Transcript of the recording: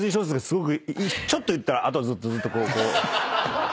すごくちょっと言ったらあとはずっとこう。